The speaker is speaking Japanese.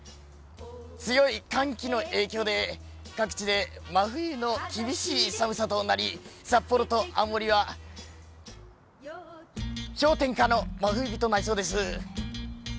強い寒気の影響で、各地で真冬の厳しい寒さとなり、札幌と青森は氷点下の真冬日となりそうです。